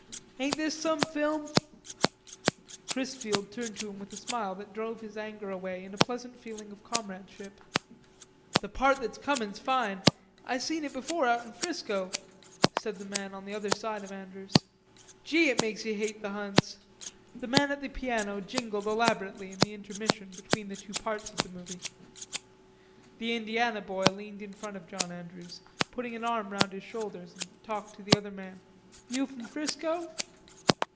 "Ain't this some film?" Chrisfield turned to him with a smile that drove his anger away in a pleasant feeling of comradeship. "The part that's comin's fine. I seen it before out in Frisco," said the man on the other side of Andrews. "Gee, it makes ye hate the Huns." The man at the piano jingled elaborately in the intermission between the two parts of the movie. The Indiana boy leaned in front of John Andrews, putting an arm round his shoulders, and talked to the other man. "You from Frisco?"